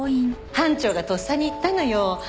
班長がとっさに言ったのよ。